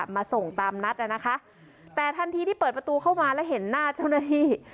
มาส่งตามนัดอ่ะนะคะแต่ทันทีที่เปิดประตูเข้ามาแล้วเห็นหน้าเจ้าหน้าที่